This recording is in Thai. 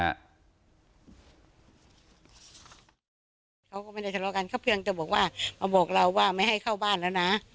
เขาก็มาในสถานการณ์เข้าเพื่องจะบอกว่ามาบอกเราว่าไม่ให้เข้าบ้านแล้วนะ